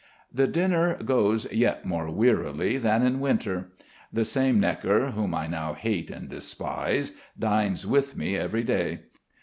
The dinner goes yet more wearily than in winter. The same Gnekker, whom I now hate and despise, dines with me every day.